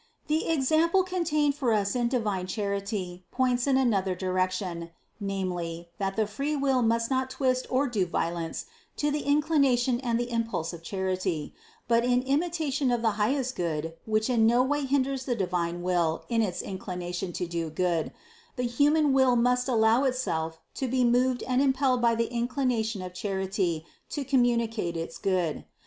The example contained for us in divine Charity points in another direction, namely, that the free will must not twist or do violence to the inclination and the impulse of charity; but in imitation of the highest Good, which in no way hinders the divine will in its inclination THE CONCEPTION 401 to do good, the human will must allow itself to be moved and impelled by the inclination of charity to communicate its goodness.